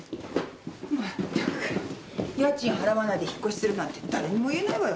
全く家賃払わないで引っ越しするなんて誰にも言えないわよ。